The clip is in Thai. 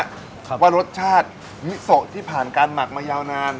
ครับว่ารสชาติมิโซที่ผ่านการหมักมายาวนาน